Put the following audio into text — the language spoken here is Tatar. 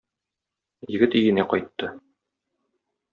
Егет өенә кайтты.